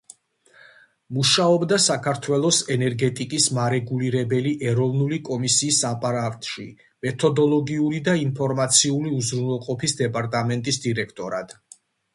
მუშაობდა საქართველოს ენერგეტიკის მარეგულირებელი ეროვნული კომისიის აპარატში მეთოდოლოგიური და ინფორმაციული უზრუნველყოფის დეპარტამენტის დირექტორად.